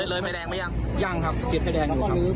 เลยไฟแดงหรือยังยังครับติดไฟแดงอยู่ครับ